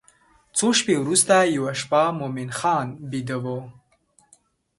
څو شپې وروسته یوه شپه مومن خان بیده و.